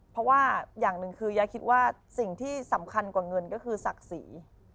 เพราะว่าอย่างหนึ่งคือยายคิดว่าสิ่งที่สำคัญกว่าเงินก็คือศักดิ์ศรี